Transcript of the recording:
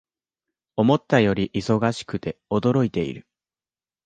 思ったより忙しくて驚いている